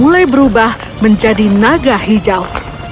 dan berubah menjadi naga hijau